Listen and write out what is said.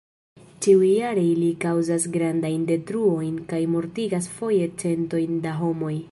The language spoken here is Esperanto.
Ĉiujare ili kaŭzas grandajn detruojn kaj mortigas foje centojn da homoj.